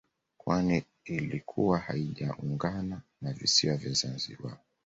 Kwani ilikuwa haijaungana na visiwa vya Zanzibari